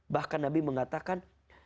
bahkan nabi mengatakan